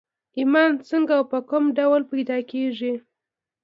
ايمان څنګه او په کوم ډول پيدا کېږي؟